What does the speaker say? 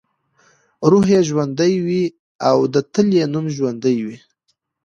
روح یې ژوندی وي او دلته یې نوم ژوندی وي.